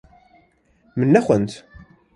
Min nexwend.